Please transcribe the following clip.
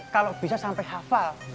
kalau bisa sampai hafal